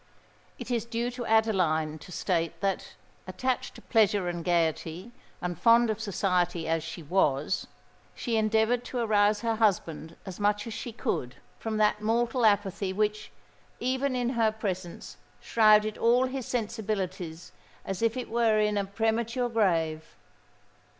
It is due to Adeline to state that,—attached to pleasure and gaiety, and fond of society as she was,—she endeavoured to arouse her husband as much as she could from that mortal apathy which, even in her presence, shrouded all his sensibilities as it were in a premature grave.